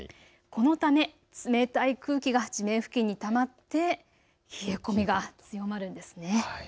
このため冷たい空気が地面付近にたまって冷え込みが強まるんです。